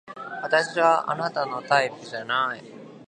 あなたは私のタイプじゃない